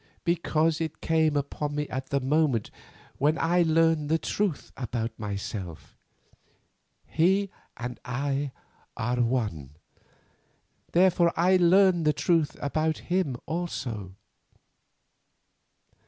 Because it came upon me at the moment when I learned the truth about myself. He and I are one, therefore I learned the truth about him also.